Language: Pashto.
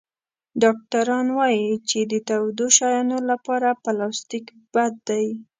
ډاکټران وایي چې د تودو شیانو لپاره پلاستيک بد دی.